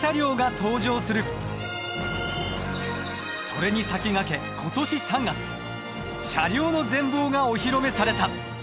それに先駆け今年３月車両の全貌がお披露目された。